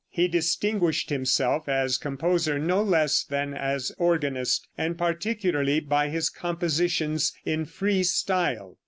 He distinguished himself as composer no less than as organist, and particularly by his compositions in free style.